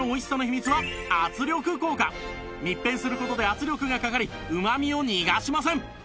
密閉する事で圧力がかかりうまみを逃がしません！